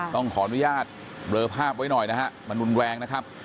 ต้องขออนุญาตเบลอภาพไว้หน่อยนะฮะมันรุนแรงนะครับ